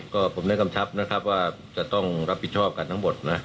ก็ผมได้กำชับนะครับว่าจะต้องรับผิดชอบกันทั้งหมดนะ